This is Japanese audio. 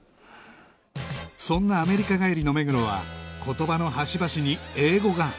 そんなアメリカ帰りの目黒は言葉の端々に英語が